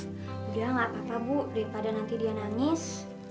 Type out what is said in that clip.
sudah gak apa apa bu daripada nanti dia nangis